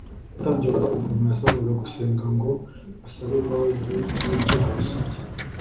Umutambyi wakoraga uwo murimo yasabwaga gusenga ngo asabe imbabazi z'ibyaha rusange